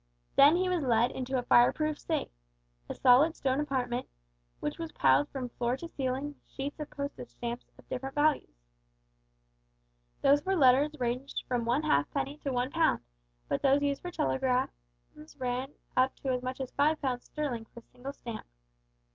Then he was led into a fireproof safe a solid stone apartment which was piled from floor to ceiling with sheets of postage stamps of different values. Those for letters ranged from one halfpenny to one pound, but those used for telegrams ran up to as much as five pounds sterling for a single stamp.